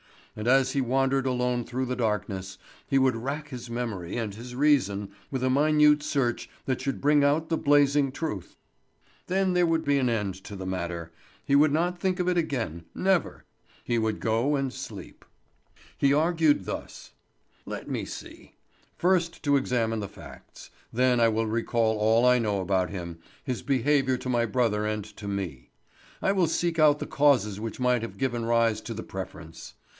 And as he wandered alone through the darkness he would rack his memory and his reason with a minute search that should bring out the blazing truth. Then there would be an end to the matter; he would not think of it again—never. He would go and sleep. He argued thus: "Let me see: first to examine the facts; then I will recall all I know about him, his behaviour to my brother and to me. I will seek out the causes which might have given rise to the preference.